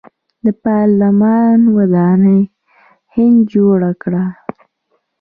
د پارلمان ودانۍ هند جوړه کړه.